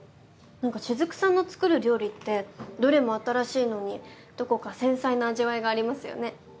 なんか雫さんの作る料理ってどれも新しいのにどこか繊細な味わいがありますよね。